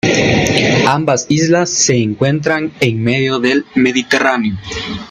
Ambas islas se encuentran en medio del Mediterráneo.